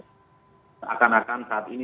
seakan akan saat ini